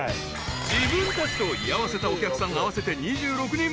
［自分たちと居合わせたお客さん合わせて２６人分］